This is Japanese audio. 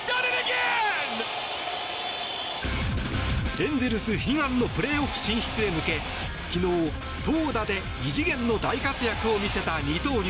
エンゼルス悲願のプレーオフ進出へ向け昨日、投打で異次元の大活躍を見せた二刀流。